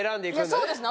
そうですね。